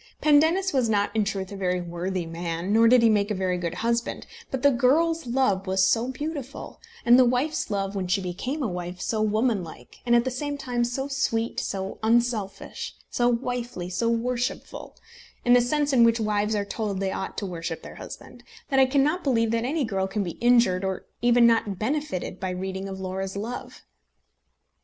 Pendennis was not in truth a very worthy man, nor did he make a very good husband; but the girl's love was so beautiful, and the wife's love when she became a wife so womanlike, and at the same time so sweet, so unselfish, so wifely, so worshipful, in the sense in which wives are told that they ought to worship their husbands, that I cannot believe that any girl can be injured, or even not benefited, by reading of Laura's love.